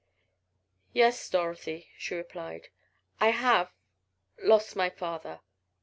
"Yes, Dorothy," she replied, "I have lost my father."